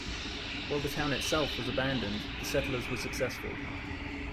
While the town itself was abandoned, the settlers were successful.